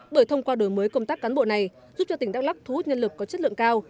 bởi thông qua đổi mới công tác cán bộ này giúp cho tỉnh đắk lắc thu hút nhân lực có chất lượng cao